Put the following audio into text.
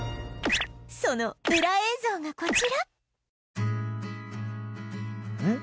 そのウラ映像がこちらん？